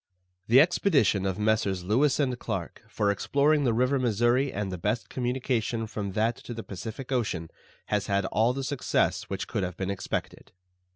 The expedition of Messrs. Lewis and Clarke for exploring the river Missouri and the best communication from that to the Pacific Ocean has had all the success which could have been expected.